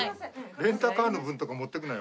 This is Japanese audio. レンタカーの分とか持っていくなよ。